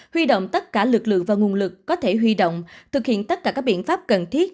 huy động tất cả lực lượng và nguồn lực có thể huy động thực hiện tất cả các biện pháp cần thiết